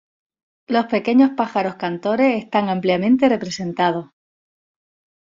Los pequeños pájaros cantores están ampliamente representados.